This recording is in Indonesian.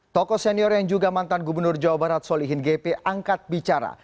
tokoh senior yang juga mantan gubernur jawa barat solihin gp angkat bicara